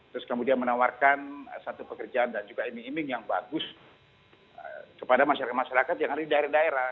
terus kemudian menawarkan satu pekerjaan dan juga iming iming yang bagus kepada masyarakat masyarakat yang ada di daerah daerah